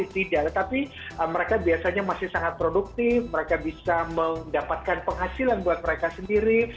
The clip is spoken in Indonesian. tidak tetapi mereka biasanya masih sangat produktif mereka bisa mendapatkan penghasilan buat mereka sendiri